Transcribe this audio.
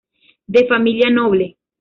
De familia noble.